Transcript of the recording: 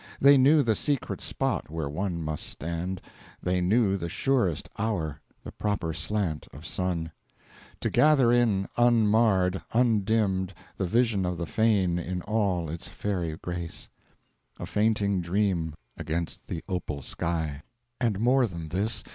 They knew the secret spot where one must stand They knew the surest hour, the proper slant of sun To gather in, unmarred, undimmed, The vision of the fane in all its fairy grace, A fainting dream against the opal sky. And more than this.